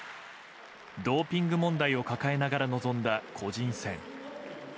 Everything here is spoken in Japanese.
ドーピング問題を抱えながら臨んだ個人戦。